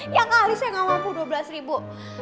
yang kali saya nggak mampu dua belas ribu